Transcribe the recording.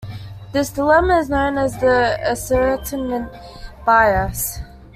This dilemma is known as an ascertainment bias.